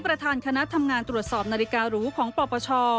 ประธานคณะทำงานตรวจสอบนาฬิการูของปปช